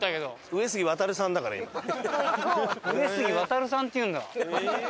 上杉ワタルさんっていうんだ。